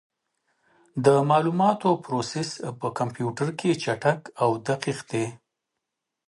د معلوماتو پروسس په کمپیوټر کې چټک او دقیق دی.